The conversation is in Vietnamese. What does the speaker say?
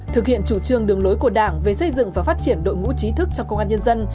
thực hiện chủ trương đường lối của đảng về xây dựng và phát triển đội ngũ trí thức cho công an nhân dân